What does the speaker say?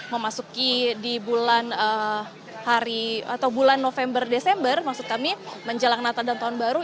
memasuki di bulan hari atau bulan november desember maksud kami menjelang natal dan tahun baru